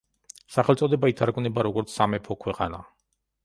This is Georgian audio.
სახელწოდება ითარგმნება როგორც „სამეფო ქვეყანა“.